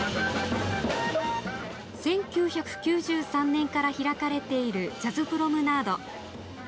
１９９３年から開かれているジャズプロムナード。